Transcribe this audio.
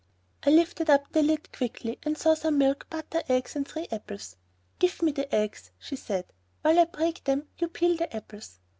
I lifted up the lid quickly and saw some milk, butter, eggs, and three apples. "Give me the eggs," she said; "while I break them, you peel the apples."